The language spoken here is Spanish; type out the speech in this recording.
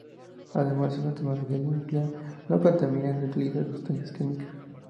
Además, es una tecnología limpia, no contamina ni utiliza sustancias químicas.